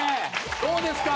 どうですか？